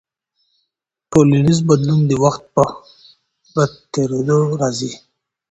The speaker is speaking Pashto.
ټولنیز بدلون د وخت په تیریدو سره راځي.